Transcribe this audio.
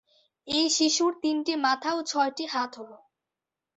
এই শিশুর তিনটি মাথা ও ছয়টি হাত হল।